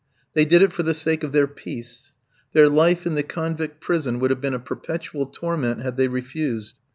They did it for the sake of their peace; their life in the convict prison would have been a perpetual torment had they refused.